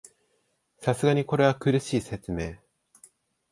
さすがにこれは苦しい説明